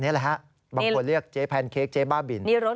แหละฮะบางคนเรียกเจ๊แพนเค้กเจ๊บ้าบิน